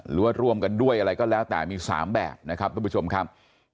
หรือว่าร่วมกันด้วยอะไรก็แล้วแต่มี๓แบบนะครับทุกผู้ชมครับ